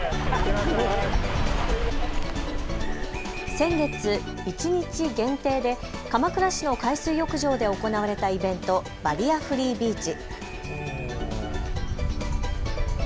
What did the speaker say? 先月、一日限定で鎌倉市の海水浴場で行われたイベント、バリアフリービーチ。